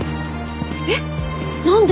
えっ！？何で？